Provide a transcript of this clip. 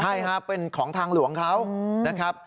ใช่ครับเป็นของทางหลวงเขานะครับ